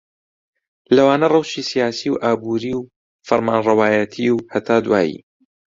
لەوانە ڕەوشی سیاسی و ئابووری و فەرمانڕەوایەتی و هتد